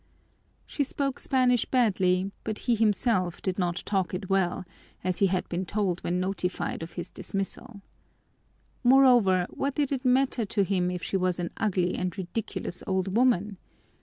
She spoke Spanish badly, but he himself did not talk it well, as he had been told when notified of his dismissal Moreover, what did it matter to him if she was an ugly and ridiculous old woman?